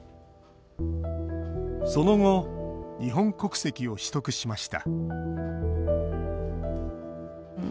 その後日本国籍を取得しました。